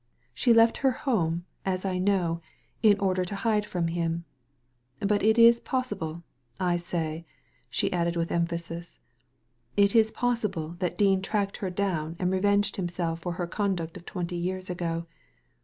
She left her home — as I know — in order to hide from him ; but it is possible — I say," she added with emphasis, ''it is possible that Dean tracked her down and revenged himself for her con duct of twenty years ago.